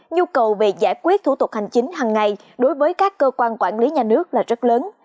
nhu cầu về giải quyết thủ tục hành chính hằng ngày đối với các cơ quan quản lý nhà nước là rất lớn